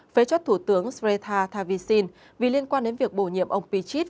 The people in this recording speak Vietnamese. phế chất thủ tướng sreta tavisin vì liên quan đến việc bổ nhiệm ông pichit